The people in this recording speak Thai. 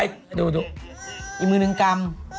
อีกมือนึงกรรม